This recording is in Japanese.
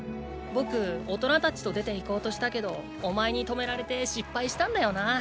僕大人達と出て行こうとしたけどお前に止められて失敗したんだよな。